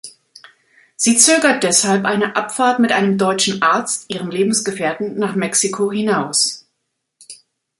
Sie zögert deshalb eine Abfahrt mit einem deutschen Arzt, ihrem Lebensgefährten, nach Mexiko hinaus.